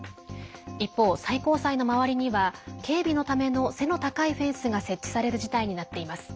一方、最高裁の周りには警備のための背の高いフェンスが設置される事態になっています。